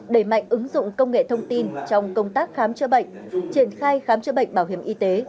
đẩy mạnh ứng dụng công nghệ thông tin trong công tác khám chữa bệnh triển khai khám chữa bệnh bảo hiểm y tế